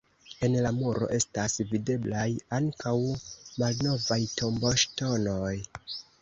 En la muro estas videblaj ankaŭ malnovaj tomboŝtonoj.